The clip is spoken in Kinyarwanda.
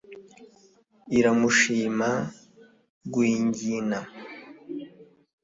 iramushima rwingina